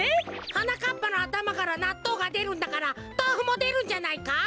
はなかっぱのあたまからなっとうがでるんだからとうふもでるんじゃないか？